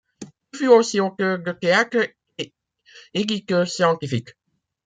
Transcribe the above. Il fut aussi auteur de théâtre et éditeur scientifique.